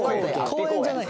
“公園”じゃない」